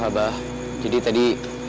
abah jadi tadi